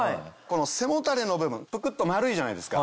背もたれの部分プクっと丸いじゃないですか。